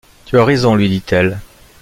Tu as raison, lui dit-elle.